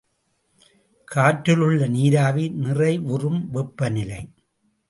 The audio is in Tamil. காற்றிலுள்ள நீராவி நிறைவுறும் வெப்பநிலை.